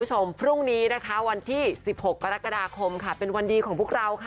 คุณผู้ชมพรุ่งนี้นะคะวันที่๑๖กรกฎาคมค่ะเป็นวันดีของพวกเราค่ะ